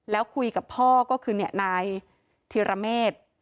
แล้วคุยกับพ่อก็คือนายธิรเมษ